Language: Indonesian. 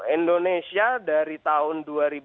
indonesia dari tahun dua ribu delapan dua ribu empat belas